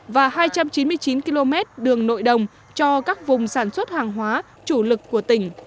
và hai trăm chín mươi chín km đường nội đồng cho các vùng sản xuất hàng hóa chủ lực của tỉnh